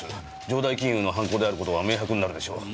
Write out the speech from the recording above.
城代金融の犯行である事は明白になるでしょう。